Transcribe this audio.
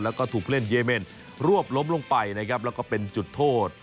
แล้วก็ถูกผู้เล่นเยเมนรวบล้มลงไปนะครับแล้วก็เป็นจุดโทษ